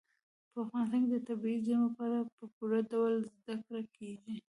په افغانستان کې د طبیعي زیرمو په اړه په پوره ډول زده کړه کېږي.